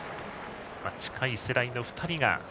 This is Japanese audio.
近い世代の２人。